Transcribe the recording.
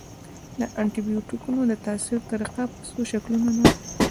د انټي بیوټیکونو د تاثیر طریقه په څو شکلونو ده.